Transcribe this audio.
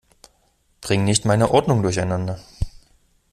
Bring nicht meine Ordnung durcheinander!